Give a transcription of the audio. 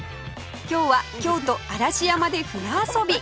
今日は京都嵐山で船遊び！